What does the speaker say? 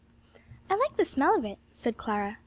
"I like the smell of it," said Clara.